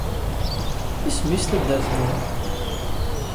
Isem-is taddart-nwen?